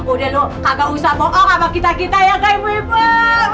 udah lu kagak usah bohong sama kita kita ya kak ibu ibu